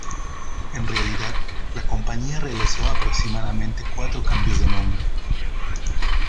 En realidad, la compañía realizó aproximadamente cuatro cambios de nombre.